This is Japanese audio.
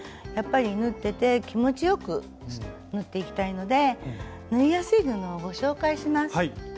やっぱり縫ってて気持ちよく縫っていきたいので縫いやすい布をご紹介します。